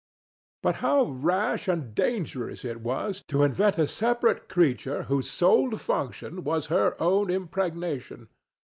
But how rash and dangerous it was to invent a separate creature whose sole function was her own impregnation!